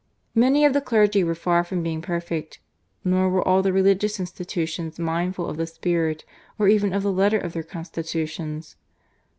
Many of the clergy were far from being perfect, nor were all the religious institutions mindful of the spirit or even of the letter of their constitutions.